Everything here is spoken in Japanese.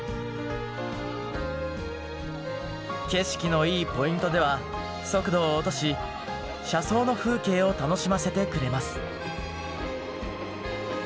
景色のいいポイントでは速度を落とし車窓の風景を楽しませてくれます。